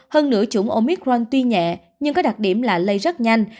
hơn nửa chủng omicron tuy nhẹ nhưng có đặc điểm là lây rất nhanh